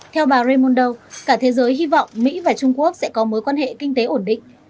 theo bà raymondo cả thế giới hy vọng mỹ và trung quốc sẽ có mối quan hệ kinh tế ổn định